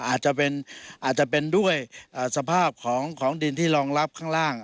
อาจจะเป็นด้วยสภาพของดินที่รองรับข้างล่าง